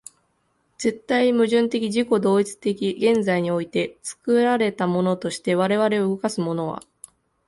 絶対矛盾的自己同一的現在において、作られたものとして我々を動かすものは、